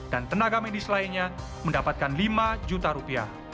dan tenaga medis lainnya mendapatkan lima juta rupiah